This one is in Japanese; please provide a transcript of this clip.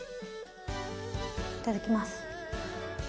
いただきます。